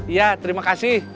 iya terima kasih